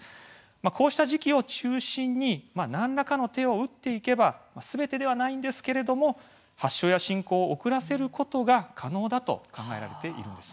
こうした時期を中心に何らかの手を打っていけばすべてではないんですけれども発症や進行を遅らせることは可能だと考えられています。